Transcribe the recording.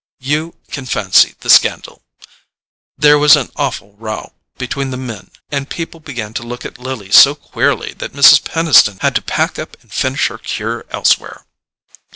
You can fancy the scandal: there was an awful row between the men, and people began to look at Lily so queerly that Mrs. Peniston had to pack up and finish her cure elsewhere.